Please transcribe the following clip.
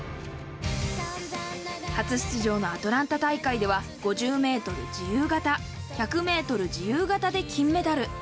初出場のアトランタ大会では、５０メートル自由形、１００メートル自由形で金メダル。